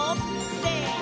せの！